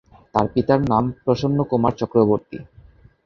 তার পিতার নাম প্রসন্নকুমার চক্রবর্তী।